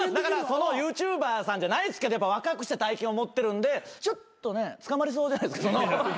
そのＹｏｕＴｕｂｅｒさんじゃないですけど若くして大金を持ってるんでちょっとね捕まりそうじゃないですか。